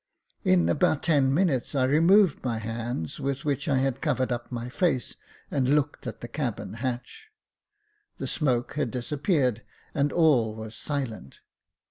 In about ten minutes I removed my hands, with which I had covered up my face, and looked at the cabin hatch. The smoke had disappeared, and all was silent.